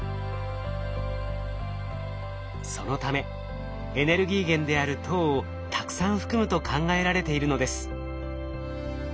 そのためエネルギー源である糖をたくさん含むと考えられているのです。